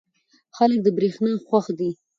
خلک له برېښنا خوښ دي.